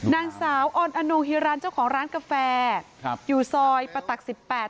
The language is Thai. นางสาวออนอนงฮิรันเจ้าของร้านกาแฟอยู่ซอยประตัก๑๘